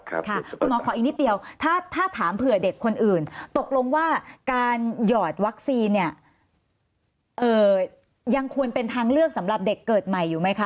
คุณหมอขออีกนิดเดียวถ้าถามเผื่อเด็กคนอื่นตกลงว่าการหยอดวัคซีนเนี่ยยังควรเป็นทางเลือกสำหรับเด็กเกิดใหม่อยู่ไหมคะ